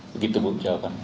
begitu bu jawabannya